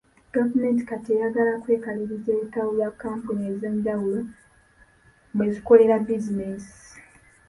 Gavumenti kati eyagala kwekaliriza ebitabo bya kampuni ez'enjawulo mwe zikolera bizinensi.